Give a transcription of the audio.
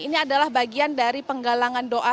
ini adalah bagian dari penggalangan doa